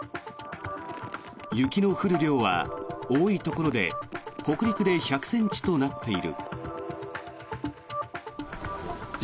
雪の降る量は多いところで北陸で１００ｃｍとなっている。